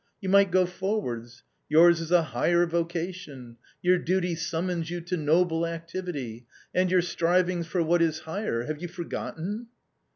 " You might go forwards ; yours is a higher vocation ; your duty summons you to noble activity. And your strivings for what is higher — have you for gotten